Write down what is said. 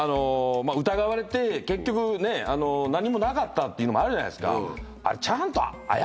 疑われて結局何もなかったっていうのもあるじゃないですか。